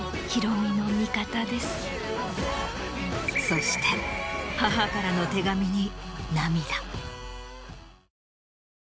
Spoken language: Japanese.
そして母からの手紙に。